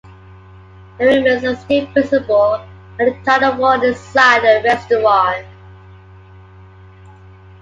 The remains are still visible and intact on the wall inside the restaurant.